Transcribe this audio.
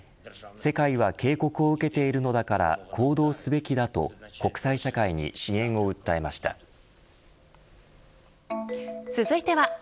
世界は警告を受けているのだから行動すべきだと続いては＃